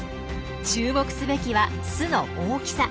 注目すべきは巣の大きさ。